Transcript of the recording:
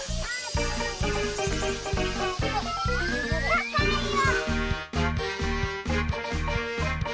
たかいよ！